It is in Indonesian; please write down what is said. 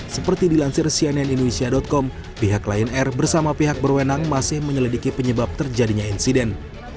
seperti dilansir cnn indonesia com pihak lion air bersama pihak berwenang masih menyelidiki penyebab terjadinya insiden